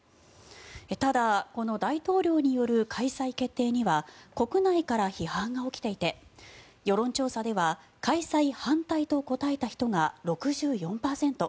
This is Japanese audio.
ただこの大統領による開催決定には国内から批判が起きていて世論調査では開催反対と答えた人が６４％。